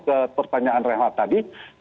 ke pertanyaan rehat tadi